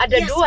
ada dua mbak